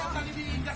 saya tidak siksa